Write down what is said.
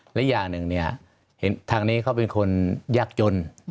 หลักอย่างหนึ่งทางนี้เขาเป็นคนยักษ์ยนต์